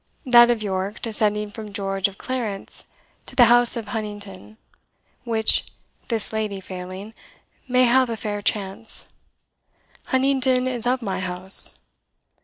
That of York, descending from George of Clarence to the House of Huntingdon, which, this lady failing, may have a fair chance Huntingdon is of my house.